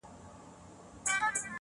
موږه كرلي دي اشنا دشاعر پښو ته زړونه~